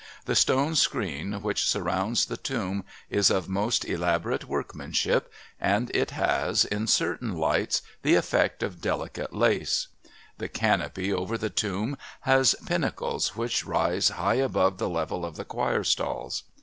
The stone screen which surrounds the tomb is of most elaborate workmanship, and it has, in certain lights, the effect of delicate lace; the canopy over the tomb has pinnacles which rise high above the level of the choir stalls.